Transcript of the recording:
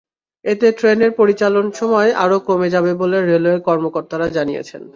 এতে ট্রেনের পরিচালন সময় আরও কমে যাবে বলে রেলওয়ের কর্মকর্তারা জানিয়েছেন।